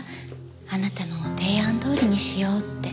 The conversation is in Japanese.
あなたの提案どおりにしようって。